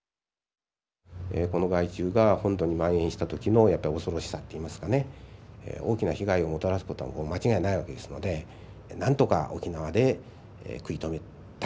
この害虫が本土にまん延した時のやっぱ恐ろしさっていいますかね大きな被害をもらたすことはもう間違いないわけですので何とか沖縄で食い止めたいと。